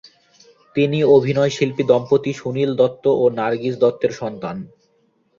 তিনি অভিনয়শিল্পী দম্পতি সুনীল দত্ত ও নার্গিস দত্তের সন্তান।